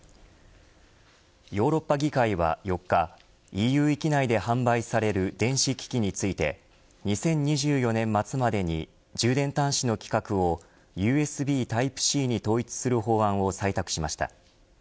ヨーロッパ議会は４日ＥＵ域内で販売される電子機器について２０２４年末までに充電端子の規格をＵＳＢタイプＣに統一する方案を採択しました。